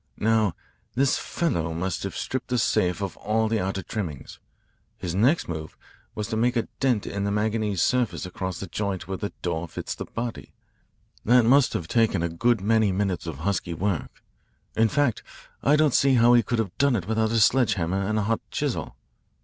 "Now, this fellow must have stripped the safe of all the outer trimmings. His next move was to make a dent in the manganese surface across the joint where the door fits the body. That must have taken a good many minutes of husky work. In fact, I don't see how he could have done it without a sledge hammer and a hot chisel.